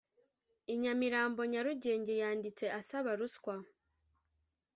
i nyamirambo nyarugenge yanditse asaba ruswa